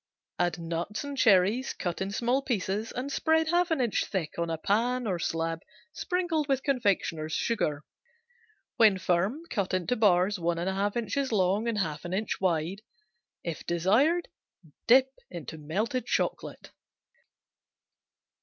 Add nuts and cherries cut in small pieces and spread half an inch thick on a pan or slab sprinkled with confectioner's sugar. When firm, cut in bars 1 1/2 inches long and 1/2 inch wide. If desired, dip in melted chocolate.